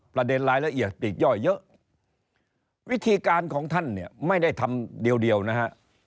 ประเด็นรายละเอียดปีกย่อยเยอะวิธีการของท่านเนี่ยไม่ได้ทำเดียวนะฮะ